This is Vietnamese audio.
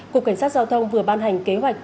cục cảnh sát giao thông vừa ban hành kế hoạch